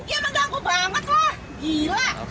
ya menggaku banget lah